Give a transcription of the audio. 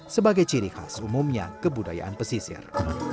sebagai ciri khas umumnya kebudayaan pesisir